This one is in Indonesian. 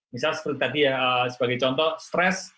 misal seperti tadi ya sebagai contoh stres